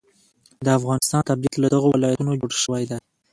د افغانستان طبیعت له دغو ولایتونو جوړ شوی دی.